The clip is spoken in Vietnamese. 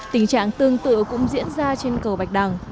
tình trạng tương tự cũng diễn ra trên cầu bạch đằng